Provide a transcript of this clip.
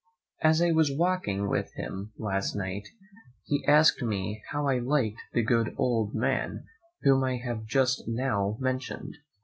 As I was walking with him last night, he asked me how I liked the good man whom I have just now mentioned?